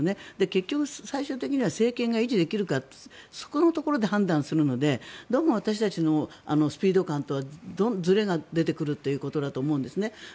結局、最終的には政権が維持できるかそこのところで判断するのでどうも私たちのスピード感とはずれが出てくるということだと思うんですね。